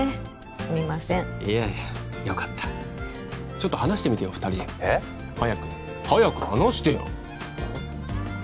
すみませんいやいやよかったちょっと話してみてよ二人でえっ？早く早く話してよ